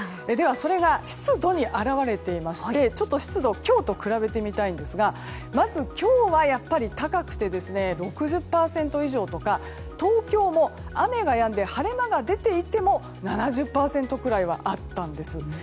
それが湿度に表れていまして湿度を今日と比べてみたいんですがまず今日は、やっぱり高くて６０％以上とか東京も雨がやんで晴れ間が出ていても７０％くらいはあったんです。